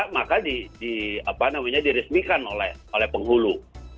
maka diresmikan oleh penghulu